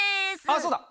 あっそうだ！